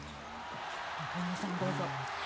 中室さんどうぞ。